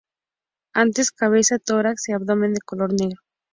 Antenas, cabeza, tórax y abdomen de color negro.